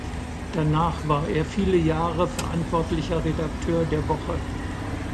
Danach war er viele Jahre verantwortlicher Redakteur der "Woche".